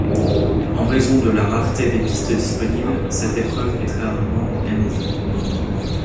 En raison de la rareté des pistes disponibles, cette épreuve est très rarement organisée.